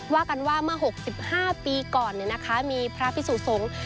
ว่ากันว่าเมื่อ๖๕ปีก่อนมีพระพิสุสงฆ์